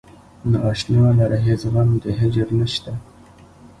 نا اشنا لره هیڅ غم د هجر نشته.